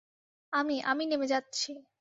আমি, আমি নেমে যাচ্ছি।